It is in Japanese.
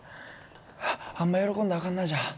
あんま喜んだらあかんなじゃあ。